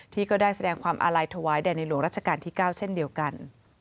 ก็ได้แสดงความอาลัยถวายแด่ในหลวงรัชกาลที่๙เช่นเดียวกัน